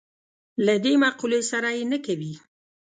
له دې مقولې سره یې نه کوي.